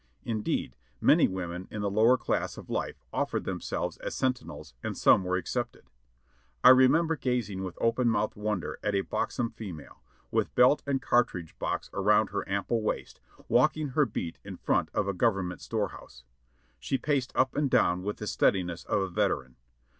Indeed, many women in the lower class of life offered themselves as sentinels and some were accepted. I remember gazing with open mouthed wonder at a buxom female, with belt and cartridge box around her ample waist, walking her beat in front of a Government store house. She paced up and down with the steadiness of a veteran.